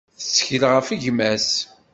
Tettkel ɣef gma-s.